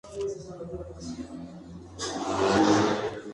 Recibió la ciudadanía honoraria de Irlanda.